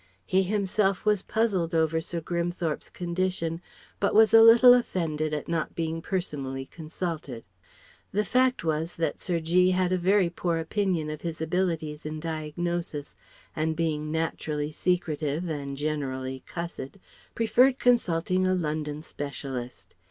He himself was puzzled over Sir Grimthorpe's condition but was a little offended at not being personally consulted. The fact was that Sir G. had a very poor opinion of his abilities in diagnosis and being naturally secretive and generally cussed, preferred consulting a London specialist.